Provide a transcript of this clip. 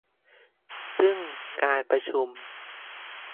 ซึ่งการประชุม